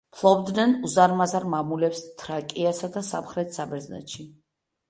ფლობდნენ უზარმაზარ მამულებს თრაკიასა და სამხრეთ საბერძნეთში.